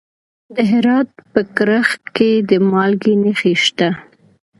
د هرات په کرخ کې د مالګې نښې شته.